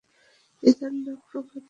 পিতার নাম প্রভাত শর্মা।